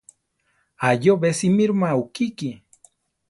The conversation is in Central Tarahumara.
Ayóbe simíroma ukiki.